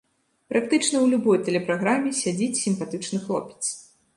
Практычна ў любой тэлепраграме сядзіць сімпатычны хлопец.